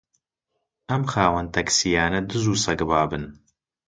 ئەم خاوەن تاکسییانە دز و سەگبابن